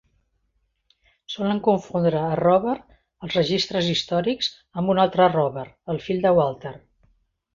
Solen confondre a Robert als registres històrics amb un altre Robert, el fill de Walter.